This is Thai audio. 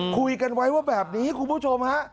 คุยกันไว้ว่าแบบนี้คุณผู้ชมฮะ